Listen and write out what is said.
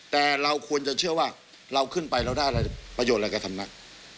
แต่เราควรจะเชื่อว่าเราขึ้นไปเราได้อะไรประโยชน์อะไรกับสำนัก